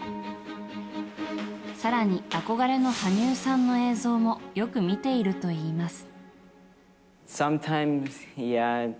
更に憧れの羽生さんの映像もよく見ているといいます。